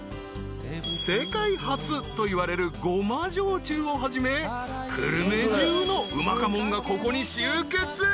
［世界初といわれるごま焼酎をはじめ久留米中のうまかもんがここに集結］